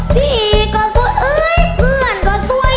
พี่ก็ซวยทุกคนก็ซวย